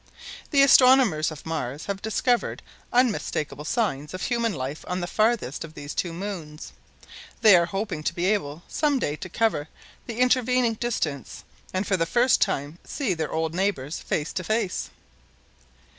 The astronomers of Mars have discovered unmistakable signs of human life on the farthest of these two moons. They are hoping to be able some day to cover the intervening distance and for the first time see their old neighbors face to face.